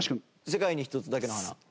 『世界に一つだけの花』。